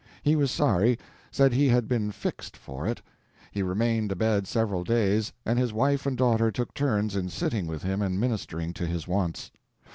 He was sorry; said he had been "fixed" for it. He remained abed several days, and his wife and daughter took turns in sitting with him and ministering to his wants.